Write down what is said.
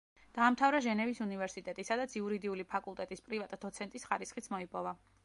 დაამთავრა ჟენევის უნივერსიტეტი, სადაც იურიდიული ფაკულტეტის პრივატ-დოცენტის ხარისხიც მოიპოვა.